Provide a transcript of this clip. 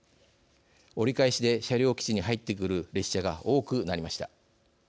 折り返しで車両基地に入ってくる列車が多くなりました。